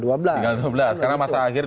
tanggal dua belas karena masa akhir dua belas